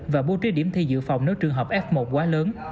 và bố trí điểm thi dự phòng nếu trường hợp f một quá lớn